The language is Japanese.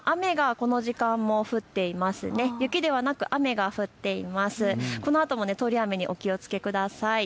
このあとも通り雨にお気をつけください。